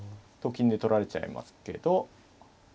金で取られちゃいますけど。